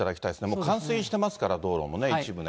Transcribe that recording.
もう冠水してますから、道路も一部ね。